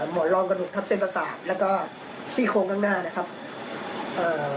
หมอนรองกระดูกทับเส้นประสาทแล้วก็ซี่โครงข้างหน้านะครับเอ่อ